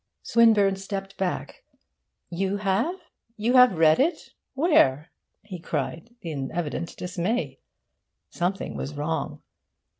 Swinburne stepped back. 'You have? You have read it? Where?' he cried, in evident dismay. Something was wrong.